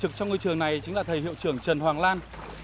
trực trong ngôi trường này chính là thầy hiệu trưởng trần hoàng lan